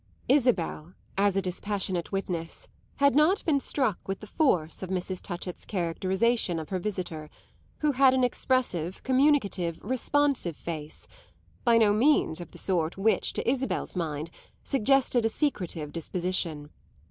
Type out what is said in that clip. Isabel, as a dispassionate witness, had not been struck with the force of Mrs. Touchett's characterisation of her visitor, who had an expressive, communicative, responsive face, by no means of the sort which, to Isabel's mind, suggested a secretive disposition.